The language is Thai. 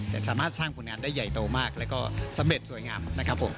แต่สามารถสร้างผลงานได้ใหญ่โตมากแล้วก็สำเร็จสวยงามนะครับผม